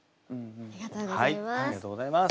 ありがとうございます。